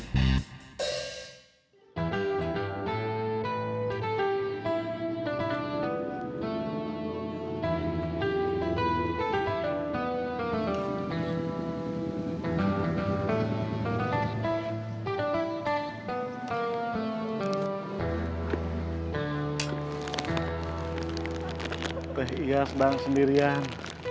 teteh ia sedang sendirian